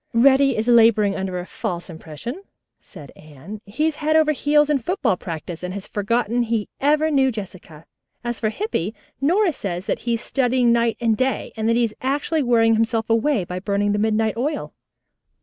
"Reddy is laboring under a false impression," said Anne. "He is head over heels in football practice and has forgotten he ever knew Jessica. As for Hippy, Nora says that he is studying night and day, and that he is actually wearing himself away by burning midnight oil."